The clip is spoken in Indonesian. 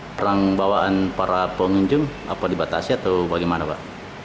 perang bawaan para pengunjung apa dibatasi atau bagaimana pak